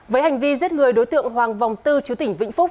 với hành vi giết người đối tượng hoàng vòng tư chú tỉnh vĩnh phúc